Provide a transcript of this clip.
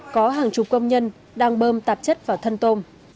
có hàng chục công nhân đang bơm tạp chất vào thân tôm